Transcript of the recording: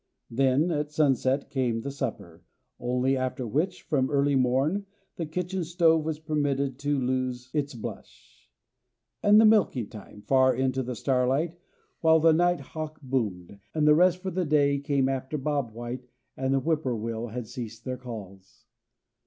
Then at sunset came the supper, only after which, from early morn, the kitchen stove was permitted to lose its blush; and the milking time, far into the starlight, while the night hawk boomed, and the rest for the day came after bob white and the whip poor will had ceased their calls.